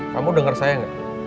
kamu denger saya gak